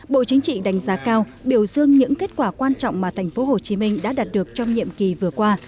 bộ chính trị đánh giá cao biểu dương những kết quả quan trọng mà tp hcm đã đạt được trong nhiệm kỳ vừa qua